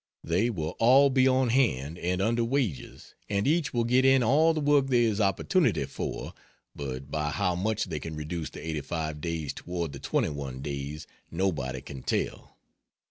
They will all be on hand and under wages, and each will get in all the work there is opportunity for, but by how much they can reduce the 85 days toward the 21 days, nobody can tell.